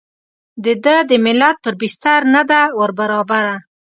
د ده د ملت پر بستر نه ده وربرابره.